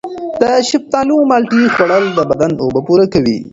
د شفتالو او مالټې خوړل د بدن اوبه پوره کوي.